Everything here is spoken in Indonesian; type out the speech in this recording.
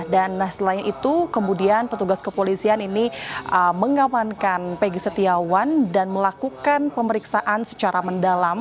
dan setelah itu kemudian petugas kepolisian ini mengawankan peggy setiawan dan melakukan pemeriksaan secara mendalam